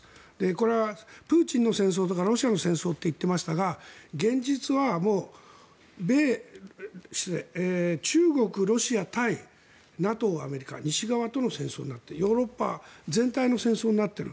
これはプーチンの戦争とかロシアの戦争と言っていましたが現実は中国・ロシア対ＮＡＴＯ・アメリカ西側との戦争になってヨーロッパ全体の戦争になっている。